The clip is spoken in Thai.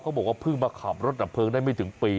บอกว่าเพิ่งมาขับรถดับเพลิงได้ไม่ถึงปี